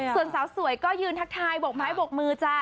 ส่วนสาวสวยก็ยืนทักทายบกไม้บกมือจ้า